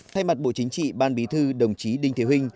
thay mặt bộ chính trị ban bí thư đồng chí đinh thiếu hinh